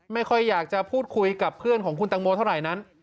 ไม่ค่อยอยากจะพูดคุยกับเพื่อนของคุณตังโมเท่าไหร่นั้น